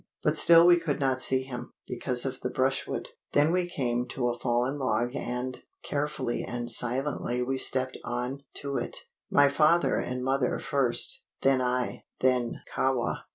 But still we could not see him, because of the brushwood. Then we came to a fallen log and, carefully and silently we stepped on to it my father and mother first, then I, then Kahwa.